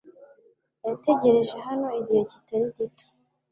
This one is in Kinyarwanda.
Yategereje hano igihe kitari gito .